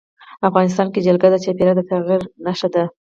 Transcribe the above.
افغانستان کې جلګه د چاپېریال د تغیر نښه ده.